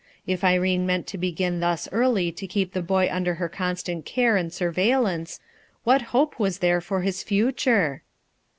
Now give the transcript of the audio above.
If Irene meant to begin thus early to keep the boy under her constant care and surveillance, what hope was there for his future?